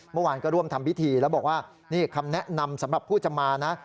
เมื่อวานก็ร่วมทำพิธีแล้วบอกว่านี่คำแนะนำสำหรับผู้จะมานะ